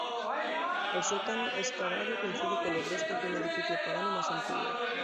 El sótano excavado coincide con los restos de un edificio pagano más antiguo.